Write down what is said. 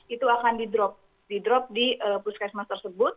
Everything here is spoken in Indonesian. itu akan di drop di puskesmas tersebut